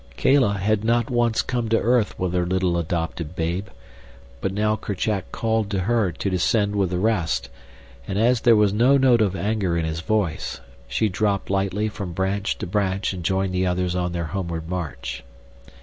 Kala had not once come to earth with her little adopted babe, but now Kerchak called to her to descend with the rest, and as there was no note of anger in his voice she dropped lightly from branch to branch and joined the others on their homeward march.